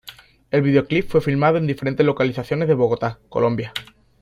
El videoclip fue filmado en diferentes localizaciones de Bogotá, Colombia.